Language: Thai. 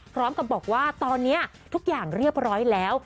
พร้อมกับบอกว่าตอนนี้ทุกอย่างเรียบร้อยแล้ว